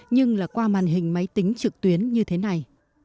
nhưng là qua màn hình máy tính trực tuyến như thế này